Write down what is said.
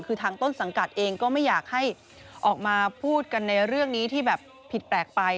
คือทางต้นสังกัดเองก็ไม่อยากให้ออกมาพูดกันในเรื่องนี้ที่แบบผิดแปลกไป